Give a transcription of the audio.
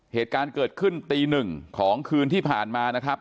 เหตุการณ์เกิดขึ้นตีหนึ่งของคืนที่ผ่านมานะครับ